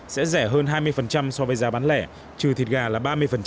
sẽ rẻ hơn hai mươi so với giá bán lẻ trừ thịt gà là ba mươi